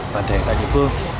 bản thể tại địa phương